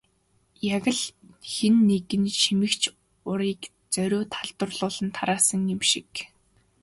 Яг л хэн нэг нь энэ шимэгч урыг зориуд халдварлуулан тараасан юм шиг.